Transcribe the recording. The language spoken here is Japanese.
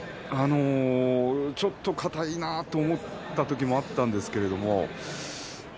ちょっと硬いなと思った時があったんですけれど